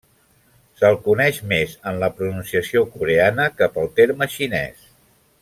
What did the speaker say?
Se'l coneix més en la pronunciació coreana que pel terme xinès.